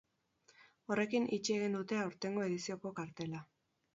Horrekin itxi egin dute aurtengo edizioko kartela.